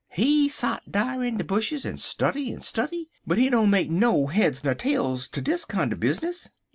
He sot off dar in de bushes en study en study, but he don't make no head ner tails ter dis kinder bizness.